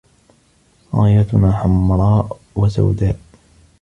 رايتنا حمراء و سوداء.